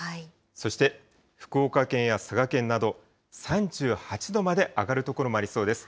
そして、福岡県や佐賀県など、３８度まで上がる所もありそうです。